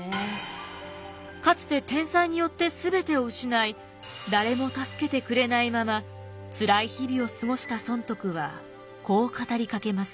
かつて天災によって全てを失い誰も助けてくれないまま辛い日々を過ごした尊徳はこう語りかけます。